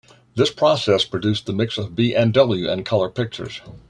This process produced the mix of B and W and color pictures.